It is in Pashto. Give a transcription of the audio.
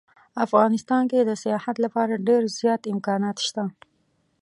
افغانستان کې د سیاحت لپاره ډیر زیات امکانات شته